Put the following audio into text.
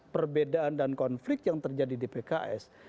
perbedaan dan konflik yang terjadi di pks